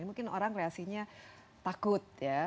mungkin orang kreasinya takut ya